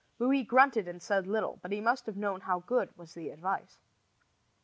Louis grunted and said little, but he must have known how good was the advice.